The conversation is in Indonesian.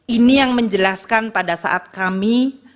ini yang menjelaskan pada saat kami